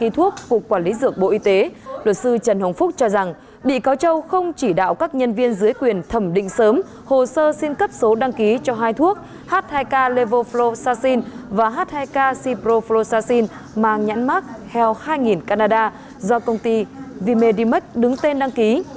theo luật sư phúc cho rằng bị cáo châu không chỉ đạo các nhân viên dưới quyền thẩm định sớm hồ sơ xin cấp số đăng ký cho hai thuốc h hai k level flow sarsin và h hai k c pro flow sarsin mang nhãn mark health hai nghìn canada do công ty v medimax đứng tên đăng ký